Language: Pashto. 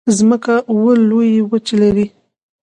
مځکه اوه لویې وچې لري.